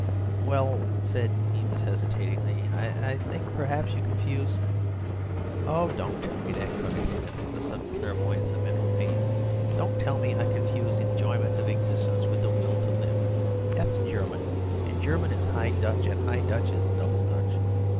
"'Well,' said Eames hesitatingly, 'I think perhaps you confuse—' "'Oh, don't tell me that!' cried Smith with the sudden clairvoyance of mental pain; 'don't tell me I confuse enjoyment of existence with the Will to Live! That's German, and German is High Dutch, and High Dutch is Double Dutch.